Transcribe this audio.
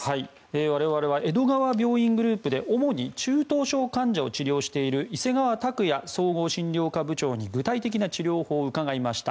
我々は江戸川病院グループで主に中等症患者を治療している伊勢川拓也総合診療科部長に具体的な治療法を伺いました。